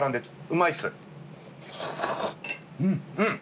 うん。